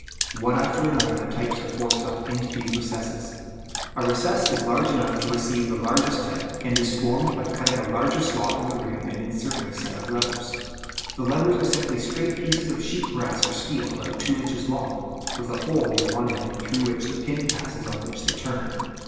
One after another the types are forced up into these recesses. A recess is large enough to receive the largest type, and is formed by cutting a larger slot in the ring, and inserting a set of levers. The levers are simply straight pieces of sheet brass or steel about two inches long, with a hole near one end, through which the pin passes on which they turn.